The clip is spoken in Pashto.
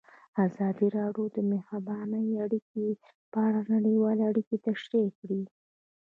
ازادي راډیو د بهرنۍ اړیکې په اړه نړیوالې اړیکې تشریح کړي.